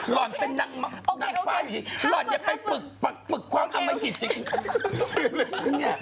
ล้อนไปนั่งว่ายอยู่ดีล้อนอย่าไปปรึกความอมหิตจาก